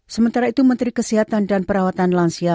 sementara itu menteri kesehatan dan perawatan lansia